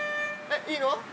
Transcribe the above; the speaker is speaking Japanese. いいの？